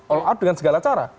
all out dengan segala cara